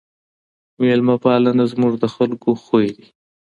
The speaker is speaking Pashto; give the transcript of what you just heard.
ميلمه پالنه زموږ د خلګو خوی دی.